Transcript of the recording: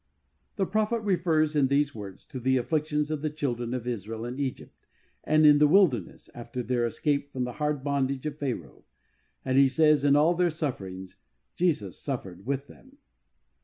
The prophet refers in these words to the afflictions of the children of Israel in Egypt and in the wilderness after their escape from the hard bondage of Pharaoh, and he says in all their sufferings Jesus suffered with them.